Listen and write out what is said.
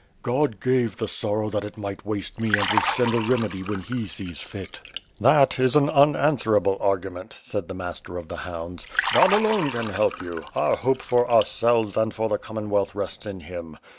"God gave the sorrow that it might waste me and will send a remedy when he sees fit." "That is an unanswerable argument," said the Master of the Hounds. "God alone can help you; our hope for our selves and for the Commonwealth rests in Him.